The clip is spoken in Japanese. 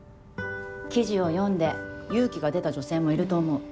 記事を読んで勇気が出た女性もいると思う。